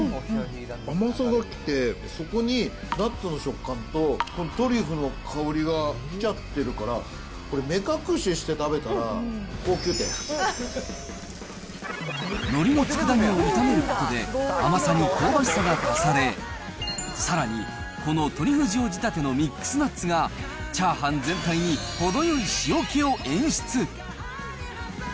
甘さがきて、そこにナッツの食感と、このトリュフの香りがきちゃってるから、これ、のりのつくだ煮を炒めることで、甘さに香ばしさが足され、さらにこのトリュフ塩仕立てのミックスナッツが、チャーハン全体に程よい塩気を演出。